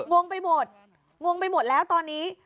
งงไปหมดงงไปหมดแล้วตอนนี้